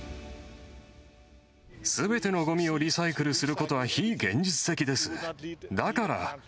すべてのごみをリサイクルすることは非現実的です。